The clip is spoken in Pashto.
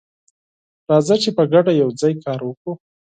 راځه چې په ګډه یوځای کار وکړو.